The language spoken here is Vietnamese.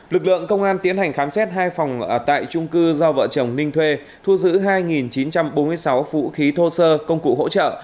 lực lượng công an tiến hành khám xét hai phòng tại trung cư do vợ chồng ninh thuê thu giữ hai chín trăm bốn mươi sáu vũ khí thô sơ công cụ hỗ trợ